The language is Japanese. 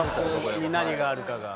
何があるかが。